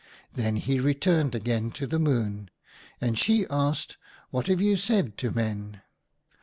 " Then he returned again to the Moon, and she asked :' What have you said to Men?'